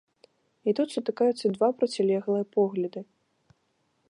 І тут сутыкаюцца два процілеглыя погляды.